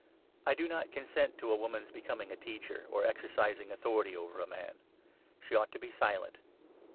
I do not consent to a woman's becoming a teacher, 12 or exercising authority over a man ; she ought to be silent.